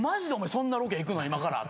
そんなロケ行くの今から？